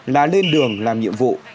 là lên đường làm nhiệm vụ